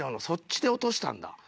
そっちで落としたんだ。